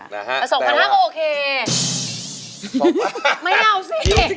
จับมือประคองขอร้องอย่าได้เปลี่ยนไป